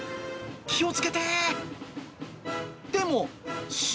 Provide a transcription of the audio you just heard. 気をつけて。